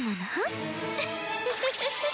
ウフフフフ。